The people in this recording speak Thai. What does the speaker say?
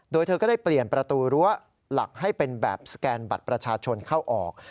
โดยเธอก็ได้เปลี่ยนประตูรั้วหลักให้เป็นแบบสแกนบัตรประชาชนเข้าออก